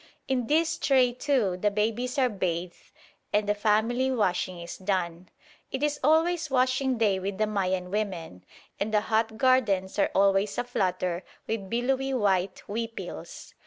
In this tray, too, the babies are bathed and the family washing is done. It is always washing day with the Mayan women, and the hut gardens are always a flutter with billowy white huipils.